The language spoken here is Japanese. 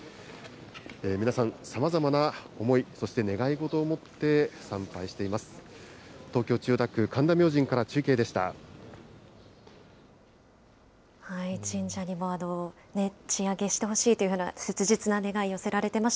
皆さん、さまざまな思い、そして願い事を持って参拝しています。